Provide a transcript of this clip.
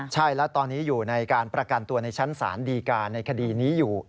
ใช่และตอนนี้อยู่ในการประกันตัวในชั้นศาลดีการในคดีนี้อยู่